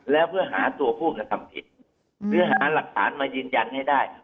แล้วเพื่อหาตัวผู้กระทำผิดเพื่อหาหลักฐานมายืนยันให้ได้